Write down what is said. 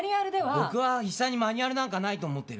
「僕は医者にマニュアルなんかないと思ってる」